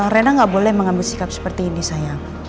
rena nggak boleh mengambil sikap seperti ini sayang